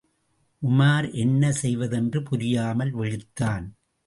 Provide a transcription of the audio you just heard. உமார் என்ன செய்வதென்று புரியாமல் விழித்தான்.